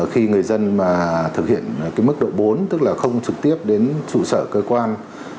khi người dân thực hiện mức độ bốn tức là không trực tiếp đến chủ sở cơ quan